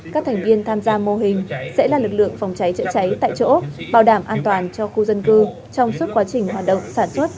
các thành viên tham gia mô hình sẽ là lực lượng phòng cháy chữa cháy tại chỗ bảo đảm an toàn cho khu dân cư trong suốt quá trình hoạt động sản xuất